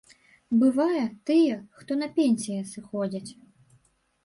Бывае, тыя, хто на пенсіі, сыходзяць.